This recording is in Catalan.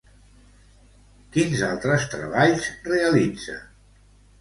Quins altres treballs realitza?